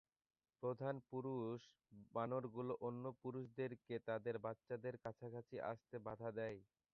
প্রধান পুরুষ বানরগুলো অন্য পুরুষদেরকে তাদের বাচ্চাদের কাছাকাছি আসতে বাধা দেয়।